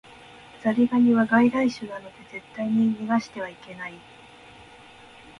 ザリガニは外来種なので絶対に逃してはいけない